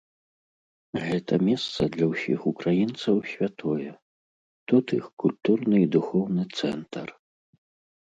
Гэта месца для ўсіх украінцаў святое, тут іх культурны і духоўны цэнтр.